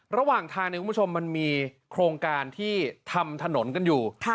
ระหว่างทางเนี่ยคุณผู้ชมมันมีโครงการที่ทำถนนกันอยู่